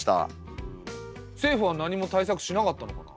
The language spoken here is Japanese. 政府は何も対策しなかったのかな？